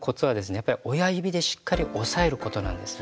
やっぱり親指でしっかり押さえることなんですね。